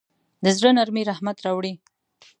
د زړه نرمي رحمت راوړي.